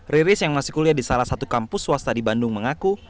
riris yang masih kuliah di salah satu kampus swasta di bandung mengaku